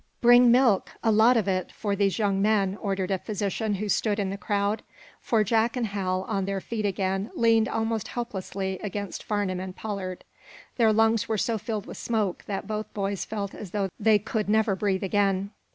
"Bring milk a lot of it, for these young men," ordered a physician who stood in the crowd. For Jack and Hal, on their feet again, leaned almost helplessly against Farnum and Pollard. Their lungs were so filled with smoke that both boys felt as though they could never breathe again.